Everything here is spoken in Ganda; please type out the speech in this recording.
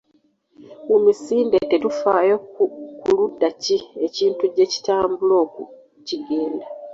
Mu misinde tetufaayo ku ludda ki ekintu gye kitambula kigenda